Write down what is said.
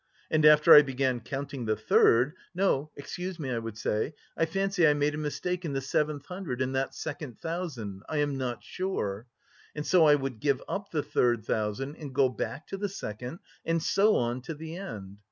And after I began counting the third, 'No, excuse me,' I would say, 'I fancy I made a mistake in the seventh hundred in that second thousand, I am not sure.' And so I would give up the third thousand and go back to the second and so on to the end.